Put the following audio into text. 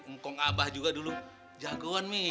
mkong abah juga dulu jagoan mi